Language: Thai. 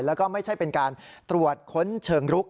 แล้วก็ไม่ใช่เป็นการตรวจค้นเชิงรุก